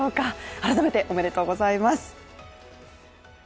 改めて、おめでとうございます！